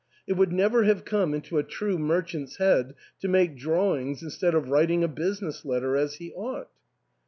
'^ It would never have come into a true merchant's head to make drawings instead of writing a business letter as he ought."